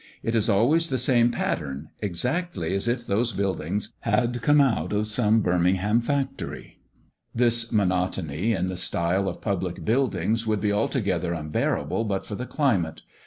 It is always the same pattern, exactly as if those buildings had come out of some Birmingham factory. This monotony in the style of public buildings would be altogether unbearable, but for the climate.